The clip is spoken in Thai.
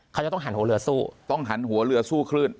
เขาจะต้องหันหัวเรือสู้ต้องหันหัวเรือสู้คลื่น